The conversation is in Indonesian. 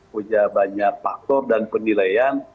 punya banyak faktor dan penilaian